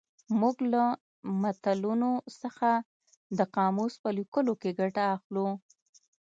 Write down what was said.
موږ له متلونو څخه د قاموس په لیکلو کې ګټه اخلو